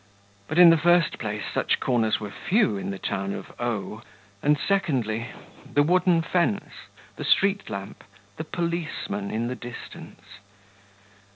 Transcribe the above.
But, in the first place, such corners were few in the town of O ; and, secondly the wooden fence, the street lamp, the policeman in the distance....